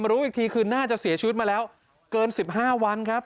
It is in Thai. รู้อีกทีคือน่าจะเสียชีวิตมาแล้วเกิน๑๕วันครับ